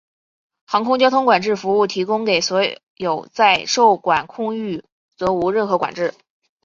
航空交通管制服务提供给所有在受管空域则无任何管制。